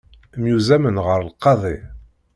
Myuzzamen ɣer lqaḍi.